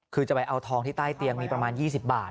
คือจะไปเอาทองที่ใต้เตียงมีประมาณ๒๐บาท